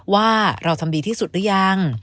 ว่าเราทำดีที่สุดหรือยัง